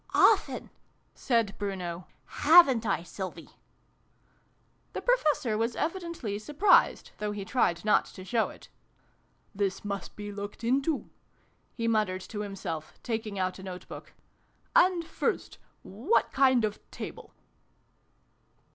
"" Often !" said Bruno. " Haven t I, Sylvie ?" The Professor was evidently surprised, though he tried not to show it. " This must be looked into," he muttered to himself, taking out a note book. " And first what kind of table